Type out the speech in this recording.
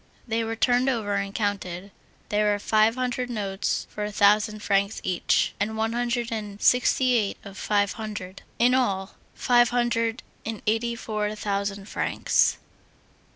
They were turned over and counted. There were five hundred notes for a thousand francs each, and one hundred and sixty eight of five hundred. In all, five hundred and eighty four thousand francs.